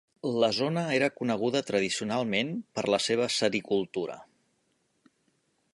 La zona era coneguda tradicionalment per la seva sericultura.